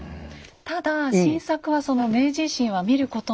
ただ晋作はその明治維新は見ることなく。